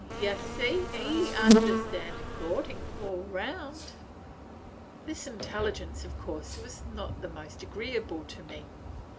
Yeh see, he understan's courtin', all round." This intelligence, of course, was not the most agreeable to me.